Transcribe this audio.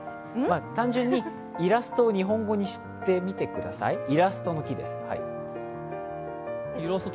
単純にイラストを日本語にしてみてください、イラストの木です。